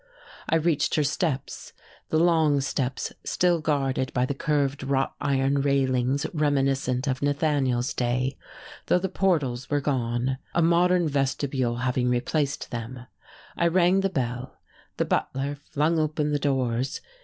I reached her steps, the long steps still guarded by the curved wrought iron railings reminiscent of Nathaniel's day, though the "portals" were gone, a modern vestibule having replaced them; I rang the bell; the butler, flung open the doors.